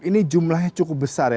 ini jumlahnya cukup besar ya